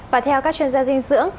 và theo các chuyên gia dinh dưỡng